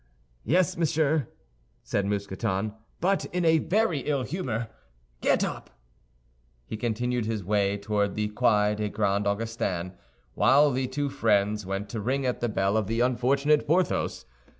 "Yes, monsieur," said Mousqueton, "but in a very ill humor. Get up!" He continued his way toward the Quai des Grands Augustins, while the two friends went to ring at the bell of the unfortunate Porthos.